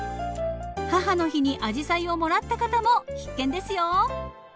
母の日にアジサイをもらった方も必見ですよ。